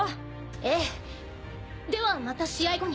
ええではまた試合後に。